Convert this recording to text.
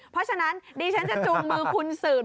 เพราะฉะนั้นดิฉันจะจูงมือคุณสืบ